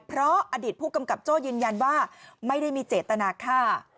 เพราะอดีตผู้กำกับโจ้ยืนยันว่าไม่ได้มีเจตนาฆ่า